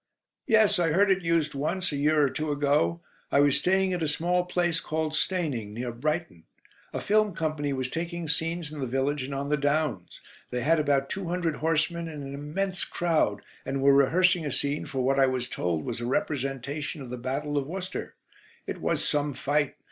"Yes, I heard it used once, a year or two ago. I was staying at a small place called Steyning, near Brighton. A Film Company was taking scenes in the village and on the downs. They had about two hundred horsemen and an immense crowd, and were rehearsing a scene for what I was told was a representation of the Battle of Worcester. It was some fight.